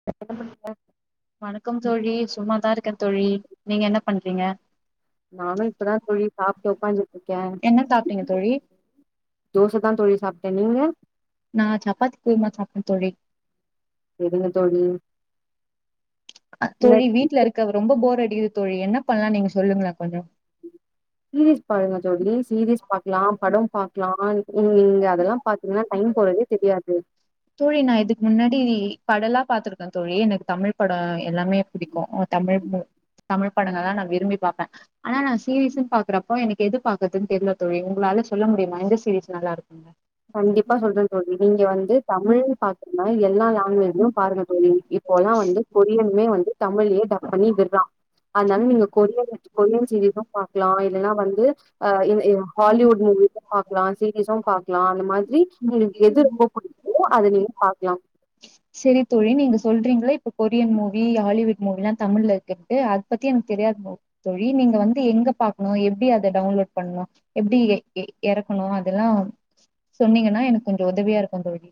[inaudible] வணக்கம் தோழி சும்மாதா இருக்க தோழி நீங்க என்ன பண்றீங்க நானும் இப்பதா தோழி சாப்ட்டு உக்காந்துட்டுருக்கே என்ன சாப்ட்டீங்க தோழி தோச தா தோழி சாப்ட்டே நீங்க நா சப்பாத்தி குருமா சாப்ட்டே தோழி செரிங்க தோழி இந்த தோழி வீட்ல இருக்க ரொம்ப போர் அடிக்குது தோழி என்ன பண்ணலா நீங்க சொல்லுங்களோ கொஞ்சோ சீரியஸ் பாருங்க தோழி சீரியஸ் பாக்லா படம் பாக்லா ம் நீங்க அதெல்லா பாத்தீங்கன்னா டைம் போறதே தெரியாது தோழி நா இதுக்கு முன்னாடி படல்லா பாத்துருக்கே தோழி எனக்கு தமிழ் பட எல்லாமே பிடிக்கு அ தமிழ் தமிழ் படங்கள்ல்லா நா விரும்பி பாப்பே ஆனா நா சீரியஸ்சும் பாக்குறப்போ எனக்கு எது பாக்குறதுன்னு தெரில தோழி உங்களால சொல்ல முடியுமா எந்த சீரியஸ் நல்லா இருக்குனு கண்டிப்பா சொல்றே தோழி நீங்க வந்து தமிழ் பாத்திங்கனா எல்லா லாங்குவேஜ்லயு பாருங்க தோழி இப்போல்லா வந்து கொரியனுமே வந்து தமிழ்லே டப் பண்ணி விட்றா அதனால நீங்க கொரியன்ல கொரியன் சீரியஸ்ஸு பாக்லா இல்லனா வந்து அ இன் இன் ஹாலிவுட் மூவிஸும் பாக்லா சீரிஸூ பாக் லா அந்த மாதிரி உங்களுக்கு எது ரொம்ப புடிக்குதோ அத நீங்க பாக்லா சேரி தோழி நீங்க சொல்றீங்ளே இப்ப கொரியன் மூவி ஹாலிவுட் மூவில்லா தமிழ்ல இருக்குன்ட்டு அது பத்தி எனக்கு தெரியாது தோழி நீங்க வந்து எங்க பாக்கணு எப்டி அத டவுன்லோட் பண்ணு எப்டி எ எ எறக்கணு அதெல்லா சொன்னீங்கன்னா எனக்கு கொஞ்ச உதவியா இருக்கு தோழி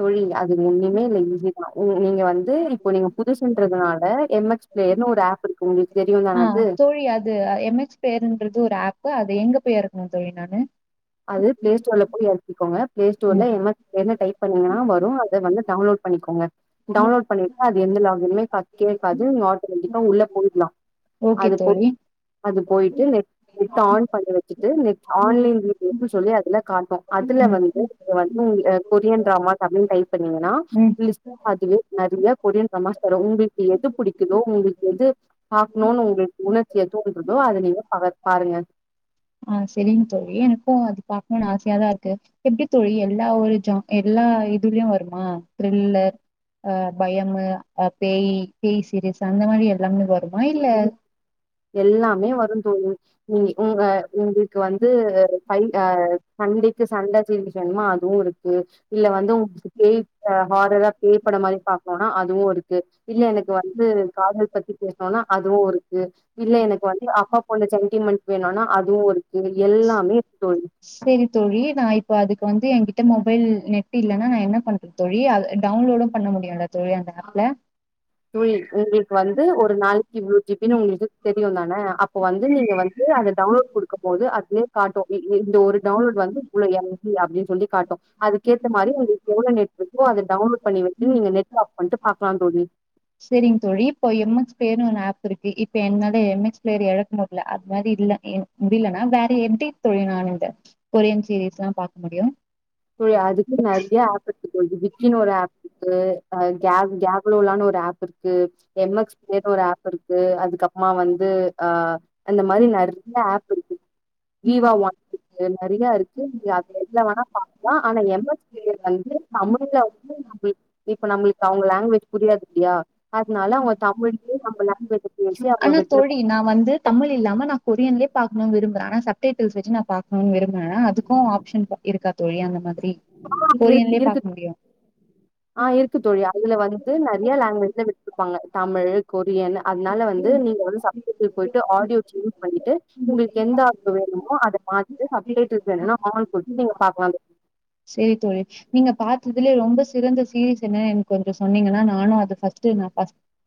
தோழி அது ஒண்ணுமே இல்ல ஈஸிதா நீ நீங்க வந்து இப்போ நீங்க புதுசுன்றதுனால எம் எக்ஸ் ப்ளேயர்னு ஒரு ஆப் இருக்கு உங்கள்க்கு தெரியுல ஆ தோழி அது எம் எக்ஸ் ப்ளேயர்ன்றது ஒரு ஆப்பு அது எங்க போய் ஏறக்கணு தோழி நானு அது ப்ளே ஸ்டோர்ல போய் எறக்கிக்கோங்க ப்ளே ஸ்டோர்ல ம் எம் எக்ஸ் ப்ளேயர்னு டைப் பண்ணீங்கன்னா வரு அத வந்து டவுன்லோட் பண்ணிக்கோங்க டவுன்லோட் பண்ணிக்கா அது எந்த லாக்கின்மே கா கேக்காது [unintelligible] உள்ள போயிட்லா ஓகே தோழி அப்டி போயிட்டு நெட் நெட் ஆன் பண்ணி வச்சுட்டு நெட் ஆன்லைன்லே அப்டின்னு சொல்லி அதுல காட்டு அதுல ம் வந்து இ வந்து கொரியன் டிராமா தமிழ்னு டைப் பண்ணீங்கன்னா ம் [unintelligible] அதுவே நெறைய கொரியன் ட்ராமாஸ் தரு உங்களுக்கு எது புடிக்குதோ உங்களுக்கு எது பாக்கனுனு உங்களுக்கு உணர்ச்சிய தூண்டிட்ருக்கோ அத நீங்க பாருங்க ஆ சரிங்க தோழி எனக்கு அது பாக்கணும்னு ஆசையாதா இருக்கு எப்டி தோழி எல்லா ஒரு ஜா எல்லா இதுலயு வருமா த்ரில்லர் அ பயமு அ பேயி பேய் சீரியஸ் அந்த மாரி எல்லாமே வருமா இல்ல எல்லாமே வரு தோழி நீ உங்க உங்களுக்கு வந்து பை அ சண்டைக்கு சண்ட சீரியஸ் வேணுமா அதுவு இருக்கு இல்ல வந்து உங்களுக்கு பேய் ஹ ஹாரரா பேய்பட மாரி பாக்கோனா அதுவு இருக்கு இல்ல எனக்கு வந் து காதல் பத்தி பேசுனோனா அதுவு இருக்கு இல்ல எனக்கு வந்து அப்பா பொண்ணு சென்டிமெண்ட் வேணுனா அதுவு இருக்கு எல்லாமே இருக்கு தோழி செரி தோழி நா இப்ப அதுக்கு வந்து எங்கிட்ட மொபைல் நெட் இல்லன்னா நா என்ன பண் தோழி அத டவுன்லோடும் பண்ண முடியதா தோழி அந்த ஆப்பா தோழி உங்களுக்கு வந்து ஒரு நாளைக்கு இவ்ளோ ஜு பி னு ஒங்களுக்கு தெரியுந்தான அப்ப வந்து நீங்க வந்து அத டவுன்லோட் குடுக்கும் போது அதுவே காட்டு இந்த ஒரு டவுன்லோட் வந்து உள்ள எரர் அப்டின்னு சொல்லி காட்டு அதுக்கேத்த மாரி ஒங்களுக்கு எவ்ளோ நெட் இருக்கோ அத டவுன்லோட் பண்ணிவச்சு நீங்கள் நெட் ஆஃப் பண்ணிட்டு பாக்கலாந்தோழி செரிங்க தோழி இப்போ எம் எஸ் பிளேயர்னு ஒன் ஆப் இருக்கு இப்ப என்னோட எம் எக்ஸ் பிளேயர் எழக்க முடியல அது மாரி இல்ல முடியலனா வேற எப்டி தொழினான இந்த கொரியன் சீரீஸ் எல்லா பாக்க முடியு தோழி அதுக்கு நெறய ஆப் இருக்கு தோழி பிச்சின்னு ஒரு ஆப் அ க கேப் கேப்லோலான ஒரு ஆப் இருக்கு எம் எக்ஸ் பிளேயர்னு ஒரு ஆப் இருக்கு அதுக்கப்புறோ அப்றமா வந்து அ அந்த மாரி நெறய ஆப் இருக்கு வீவா நெறயா இருக்கு அ நெட்ல வேணா பாக்கலா ஆனா எம் எக்ஸ் பிளேயர் வந்து தமிழ் தமிழ்ல இப்ப நம்மளுக்கு அவுங்க லாங்குவேஜ் புரியாது இல்லையா அதனால அவுங்க தமிழ்யே நம்ம லாங்குவேஜ் ஆனா தோழி நா வந்து தமிழ் இல்லாம நா கொரியன்லயே பாக்கனு விரும்புறே ஆனா ச டல்ஸ் வச்சு நா பாக்கனு விரும்புறே அதுக்கு ஆப்ஷன் இருக்கா தோழி அந்த மாதிரி ஆ இரு கொரியன்லயே இருக்கு பாக்க முடியும் ஆ இருக்கு தோழி அதுல வந்து நெறய லாங்குவேஜ்ல வச்சிருப்பாங்க தமிழ் கொரியன் அதனால வந்து நீங்க வந்து சப்ஜெக்டக்கு போய்ட்டு ஆடியோ சூஸ் பண்ணிட்டு உங்களுக்கு எந்த ஆப்பு வேணுமோ அத பாத்து சப்டைட்டில்ஸ் வேணும்னா ஆ குடுத்து நீங்க பாக்கலா தோழி சேரி தோழி நீங்க பாத்ததுலே ரொம்ப சிறந்த சீரீஸ் எனக்கு கொஞ்சோ சொன்னீங்கனா நானு அத பஸ்ட்டு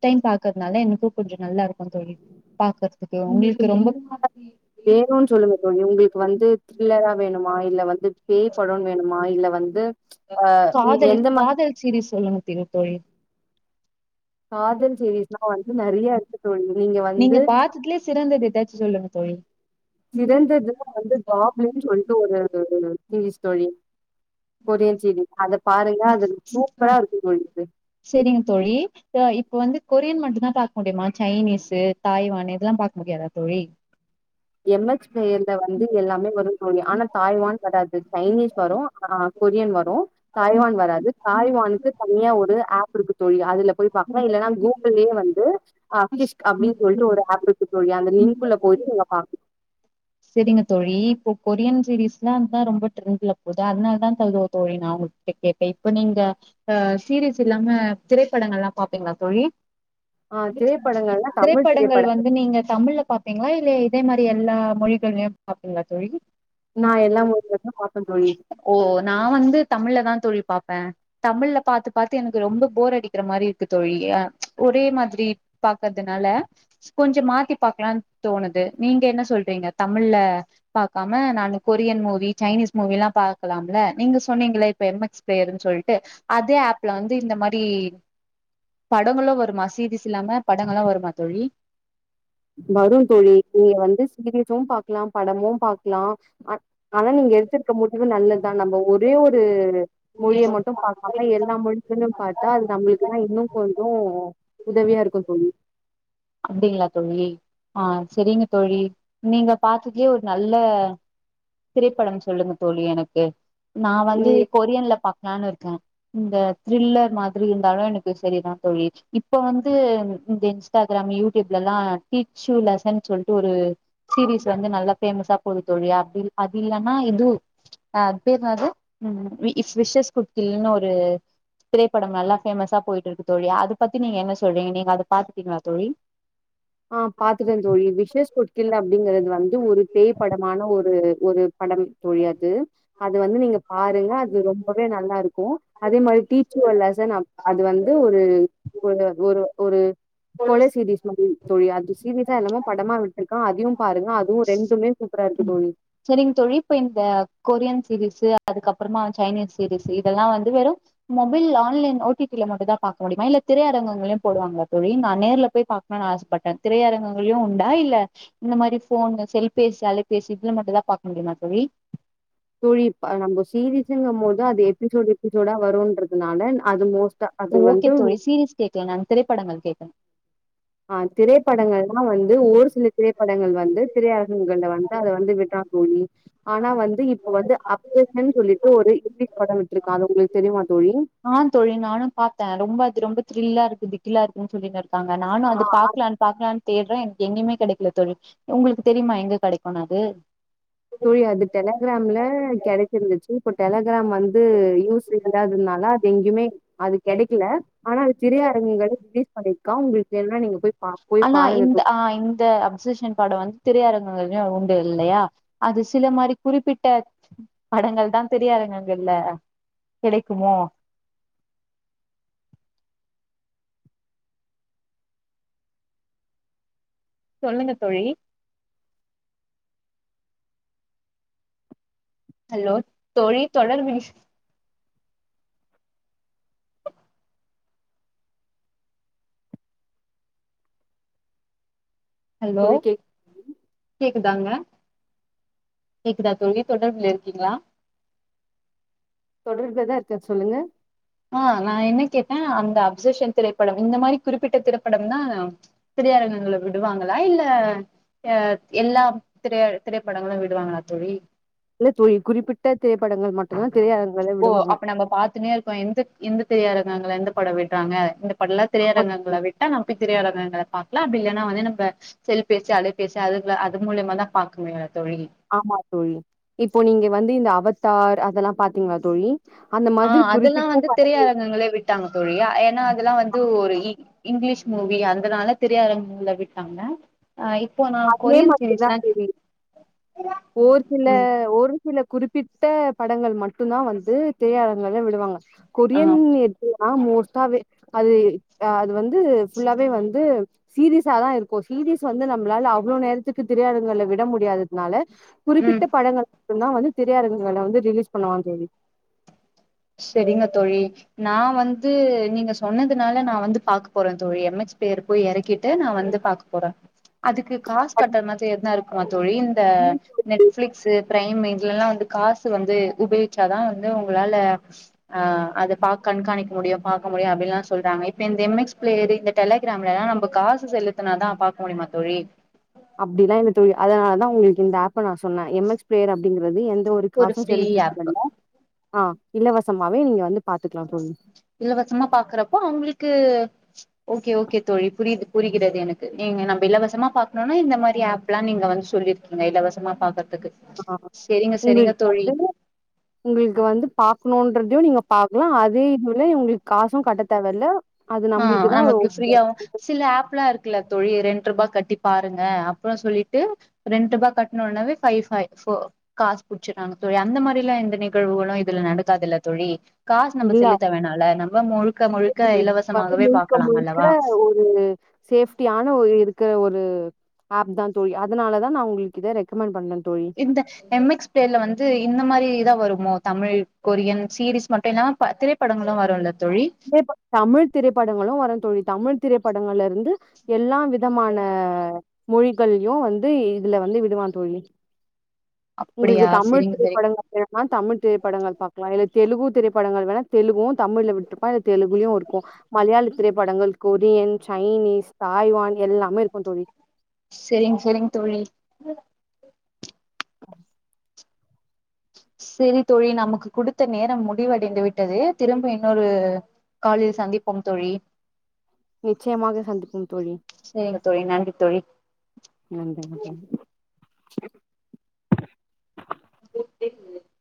டைம் பாக்குறதுனால எனக்கு கொஞ்சோ நல்லா இருக்கு தோழி பாக்குறதுக்கு ஒங்களுக்கு ரொம்ப சொல்லுங்க தோழி ஒங்களுக்கு வந்து த்ரில்லரா வேணுமா இல்ல வந்து பேய்ப்படோனு வேணுமா இல்ல வந்து நீங்க காதல் எந்த மாரி காதல் சீரிஸ் சொல்லணு திரு தோழி காதல் சீரிஸ்லா வந்து நெறய இருக்கு தோழி நீங்க வந் நீங்க பாத்ததுலயே சிறந்தது ஏதாச்சு சொல்லுங்க தோழி சிறந்ததுல வந்து ஜாப்லு சொல்ட்டு ஒரு சீரிஸ் தோழி கொரியன் சீரிஸ் அத பாருங்க அது சூப்பரா இருக்கு தோழி செரிங்க தோழி இப்ப இப்ப வந்து கொரியன் மட்டுந்தா பாக்க முடியுமா சைனீஸூ தாய்வானு இதெல்லா பாக்க முடியாதா தோழி எம் எக்ஸ் ப்ளேயர்ல வந்து எல்லாமே வருந்தோழி ஆனா தாய்வான் வராது சைனீஸ் வரு ஆ கொரியன் வரு தாய்வான் வராது தாய்வானுக்கு தனியா ஒரு ஆப் இருக்கு தோழி அதுல போய் பாக்கலா இல்லன்னா கூக்குள்ளேயே வந்து ஆப் கிஷ் அப்டின் சொல்லிட்டு ஒரு ஆப் இருக்கு தோழி அந்த லின்க்குள்ள போயிட்டுக்கலா செரிங்க தோழி இப்போ கொரியன் சீரிஸ்னாதா ரொம்ப ட்ரெண்ட்ல போகுது அதனால தா தகு தோழி நா உ கேட்டே இப்ப நீங்க அ சீரீஸ் இல்லாம திரைப்படங்கள் எல்லா பாப்பீங்ளா தோழி ஆ திரைப்படங்கள்னா தமிழ் திரைப்படங்கள் வந்து நீங்க தமிழ்ல பா ப்பீங்ளா இல்லே இதே மாரி எல்லா மொழிகள்ளயு பாப்பிங்ளா தோழி நா எல்லா மொழிலேயு பாப்பே தோழி ஓ நா வந்து தமிழ்ல தா தோழி பாப்பே தமிழ்ல பாத்து பாத்து எனக்கு ரொம்ப போர் அடிக்கிற மாரி இருக்கு தோழி ஒரே மாதிரி பாக்குறதுனால கொஞ்சோ மாத்தி பாக்கலானு தோணுது நீங்க என்ன சொல்றீங்க தமிழ்ல பாக்காம நானு கொரியன் மூவி சைனீஸ் மூவில்லா பாக்கலாம்ல நீங்க சொன்னீங்க இப்ப எம் எக்ஸ் சேரின் சொல்ட்டு அதே ஆப்ல வந்து இந்த மாரி படங்களு வருமா சீரிஸ் இல்லாம படங்களா வருமா தோழி வரு தோழி நீங்க வந்து சீரியஸும் பாக்கலா படமும் பாக்கலா ஆ ஆனா நீங்க எடுத்துருக்க முடிவு நல்லத்தா நம்ம ஒரே ஒரு மொழியை மட்டு பா ஆக எல்லா மொழிகளு பாத்தா அது நம்மளுக்கு தா இன்னு கொஞ்சோ உதவியாருக்கு தோழி அப்டிங்களா தோழி ஆ செரிங்க தோழி நீங்க பாத்ததுல்லயே ஒரு நல்ல திரைப்படம் சொல்லுங்க தோழி எனக்கு நா வந்து நீங்க கொரியன்ல பாக்கலான்னு இருக்கே இந்த த்ரில்லர் மாரி இருந்தாலு எனக்கு செரிதா தோழி இப்ப வந்து இந்த இன்ஸ்டாக் கிராம் யூடியூப்லெல்லா டீச்சியு லெசன் சொல்லிட்டு ஒரு சீரிஸ் வந்து நல்லா பேமஸா பொது தோழி அப்படிருக் அது இல்ன்னா இது அத் பேர்ன்னாது ம் ம் இ விஷேஸ் குடுத்தில்லன்னு ஒரு திரைப்படம் நல்லா ஃபேமஸா போயிட்டு இருக்கு தோழி அத பத்தி நீங்க என்ன சொல்றீங்க நீங்க அத பாத்துட்டீங்கலா தோழி ஆ பாத்துட்டே தோழி விஷேஷ் குடித்தில அப்படிங்கறது வந்து ஒரு பேய்படமான ஒரு ஒரு படம் தோழி அது அது வந்து நீங்க பாருங்க அது ரொம்பவே நல்லாருக்கு அதே மாதிரி டீத் ச்சுவல் லசன் அப் அது வந்து ஒரு ஒரு ஒரு கொல தோழி செய்தியே சீரீயு சொன்னமாரி தோழி அது சீரியஸா இல்லாம படமா விட்ருக்கா அதையு பாருங்க அதுவு ரெண்டுமே சூப்பராருருக்கு தோழி செரிங்க தோழி இப்ப இந்த கொரியன் சீரீஸ் அதுக்கப்புறமா சைனீஸ் சீரீஸ் இதெல்லாம வந்து வெறு மொபைல் ஆன்லைன் ஓ டி பில மட்டு தா பாக்க முடியமா இல்ல திரையரங்கங்களையு போடுவாங்களா தோழி நா நேர்ல போய் பாக் நா ஆசப்பட்டே திரையரங்கங்களையு உண்டா இல்ல இந்த மாரி ஃபோன் செல்பேசி அலை பேசி இதுல மட்டும் தா பாக்க முடியுமா தோழி தோழி இப்பா நம்ம சீரிஸுங்கும் போது அது எபிசோடு எபிசோடா வருன்றதுனால அது மோஸ்ட்டா ஓ அது ஓகே வந்து தோழி சீரிஸ் கேகல நானு திரைப்படங்கள் கேக்கற ஆ திரைப்படங்கள்லா வந்து ஒரு சில திரைப்படங்கள் வந்து திரையரங்குங்கள்ல வந்து அத வந்து விட்றான் தோழி ஆனா வந்து இப்ப வந்து அப்ரேஷன் சொல்லிட்டு ஒரு இங்கிலீஷ் படோ விட்டுருக்கா அது உங்களுக்கு தெரியுமா தோழி ஆ தோழி நானு பாத்த ரொம்ப அது ரொம்ப த்ரில்லாருக்குத் திகிளாருக்குன் சொல்லின் இருக்கங்க நானு அது ஆ பாக்கலான் பாக்கலான் தேட்றே எங்கேயுமே கெடைக்கல தோழி உங்களுக்கு தெரியுமா எங்க கடைக்கன்னு அது போயி அது டெலக்ராம்ல கெடைக்கிது வெச்சு இப்போ டெலக்ராம் வந்து யூஸ் இது விடாதுனால அது எங்கயுமே அது கெடைக்கல ஆனா அது திரை சிரைய அரங்குங்கள்ல ரிலீஸ் பண்ணிருக்கா உங்களுக்கு வேணுன்னா நீங்க போய் பா போய் ஆனா பாருங்க இந்த தோழி ஆ இந்த அப்சஷன் படோ வந்து திரையரங்கங்களையு உண்டு இல்லையா அது சில மாரி குறிப்பிட்ட படங்கள் தா திரையரங்கங்கள்ல கிடைக்குமோ சொல்லுங்க தோழி ஹலோ தோழி தொடர்பு ஹலோ தோழி கேக் ஹலோ கேக்குதாங்க கேக்குதா தோழி தொடர்புல இருக்கீங்களா தொடர்புலதா இருக்கே சொல்லுங்க ஆ நா என்ன கேட்டே அந்த அப்சர்ஷன் திரைப்படம் இந்த மாரி குறிப்பிட்ட திரைப்படம்தா திரையரங்கள்ல விடுவாங்கலா இல்ல அ எல்லா திரைய திரைப்படங்களு விடுவாங்களா தோழி இல்ல தோழி குறிப்பிட்ட திரைப்படங்கள் மட்டும்தா திரையரங்கள்ல ஓ விடுவாங்க அப்ப நம்ம பாத்துன்னேருக் கோ எந்த திரையரங்கள்ல எந்த படோ விடுறாங்க இந்த படோல்லா ஆமா தோழி. திரையரங்கள்ல விட்டா நாம் போய் திரையரங்கள்ல பாத் அப்டி இல்லன்னா வந்து நம்ப செல் பேசி அலை பேசி அதுல அது மூலயமா தா பாக்க முடியாதா தோழி ஆமா தோழி இப்போ நீங்க வந்து இந்த அவத்தார் அதெல்லா பாத்தீங்களா தோழி அந்த மாதிரி குறிப்பிட்ட பா ங்களே விட்டாங்க தோழி ஏன்னா அதெல்லா வந்து ஒரு இங்கிலீஷ் மூவி அந்தனால திரையரங்குல விட்டாங்க ஆ இப்போ ஆனா அதே மாதிரிதா தோழி ஓர் சில ம் ஓரு சில குறிப்பிட்ட படங்கள் மட்டுந்தா வந்து திரையரங்குகள்ல விடுவாங்க ஆ கொரியன் நா மோஸ்ட்டாவே அது அ அது வந்து ஃபுல்லாவே வந்து சீரீஸாாதா இருக்கோ சீரிஸ் வந்து நம்பளால அவ்வளோ நேரத்துக்கு திரையரங்குகள்ல விட முடியாததுனால ம் குறிப்பிட்ட படங்களுக்குதா வந்து திரையரங்குகள்ல வந்து ரிலீஸ் பண்ணுவா தோழி செரிங்க தோழி நா வந்து நீங்க சொன்னதுனால நா வந்து பாக்க போறே தோழி எம் எச் பியர் போய் எறக்கிட்டு நா வந்து பாக்க போற அதுக்கு காசு கட்டறன எதுனா இருக்குமா தோழி இந்த நெட்ஃபிளிக்ஸு பிரைமு இதுலலா வந்து காசு வந்து உபயோகிச்சாதா வந்து உங்களால ஆ அது கண்காணிக்க முடியு பாக்க முடியு அப்டீல்லா சொல்றாங்க இப்ப இந்த எம் எக்ஸ் பிளேயர் இந்த டெலகிராம்லலா நம்ப காசு செலுத்துனாதா பாக்க முடியுமா தோழி அப்புடிலா இல்ல தோழி அதனாலதா உங்குளுக்கு இந்த ஆப் ப நா சொன்னே எம் எஸ் பிளேர் அப்டீங்கறது எந்த ஒரு காசும் ஃப்ரீ செலுத்த ஆப் தேவயில்ல ஆ இலவசமாவே நீங்க வந்து பாத்துக்கலா தோழி இலவசமா பாக்குறப்போ உங்குளுக்கு ஓகே ஓகே தோழி புரியுது புரிகிறது எனக்கு நீங்க நம்ப இலவசமா பாக்கணோனா இந்த மாரி ஆப்லா நீங்க வந்து சொல்லி ங்க இலவசமா பாக்குறதுக்கு ஆ உங்குளுக்கு வந்து உங்குளுக்கு வந்து பாக்கணோன்றதையு நீங்க பாக்கலா அதே இதுல உங்குளுக்கு காசும் கட்ட தேவல்ல அது ஆ நம்பளுக்குதா ஒரு நமக்கு ஃப்ரீயாவோ சில ஆப்லா இருக்குல்ல தோழி ரெண்ட்ருபா கட்டி பாருங்க அப்புறோ சொல்லிட்டு ரெண்ட்ருபாக் கட்ன ஒன்னவே ஃபை ஃபை ஃபோர் காசு புட்ச்சுறாங்க தோழி அந்த மாதிரிலா எந்த நிகழ்வுகளு இதுல நடக்காதுல்ல தோழி காசு நம்ம இல்ல செலுத்த வேணால நம்ம முழுக்க முழுக்க அப்டி இலவச வந்து முழுக்க முழுக்க ஒரு சேஃப்டியான ஒரு இருக்க ஒரு ஆப் தா தோழி அதனால தா நா உங்குளுக்கு இத ரெக்கமெண்ட் பன்ற தோழி இந்த எம் எக்ஸ் பிளேயருல வந்து இந்த மாரி தா வருமோ தமிழ் கொரியன் சீரிஸ் மட்டு இல்லா திரைப் படங்களு வரோ இல்ல தோழி தமிழ் திரைப்படங்களு வரோ தோழி தமிழ் திரைப்படங்கள்ல இருந்து எல்லா வித மான மொழிகள்லயு வந்து இதுல வந்து விடுவா தோழி உங்குளுக்கு அப்டியா தமிழ் செரிங்க செரி திரைப்படங்கள் ன்னா தமிழ் திரைப்படங்கள் பாக்கலா இல்ல தெலுகு திரைப்படங்கள் வேணா தெலுகுவோ தமிழ்ல விட்டு றுப்பா தெலுகுலுயு இருக்கோ மலையாள திரைப்படங்கள் கொரியன் சைனீஸ் தாய்வான் எல்லாமே இருக்கோ தோழி செரிங்க செரிங்க தோழி [unintelligible] செரி தோழி நமக்கு குடுத்த நேரம் முடிவடைந்து விட்டது திரும்ப இன்னொரு காலில் சந்திப்போம் தோழி நிச்சயமாக சந்திப்போம் தோழி சேரிங்க தோழி நன்றி தோழி நன்றிங்க தோழி [unintelligible]